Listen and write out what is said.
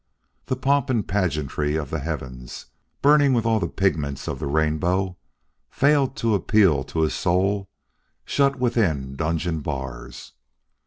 The pomp and pageantry of the heavens, burning with all the pigments of the rainbow, failed to appeal to a soul shut within dungeon bars.